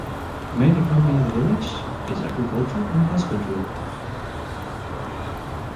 Main economy of the village is agriculture and husbandry.